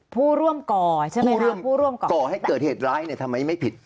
ผู้ร่วมก่อให้เกิดเหตุร้ายทำไมไม่ผิด